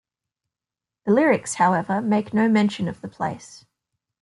The lyrics, however, make no mention of the place.